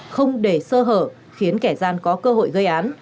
không để sơ hở khiến kẻ gian có cơ hội gây án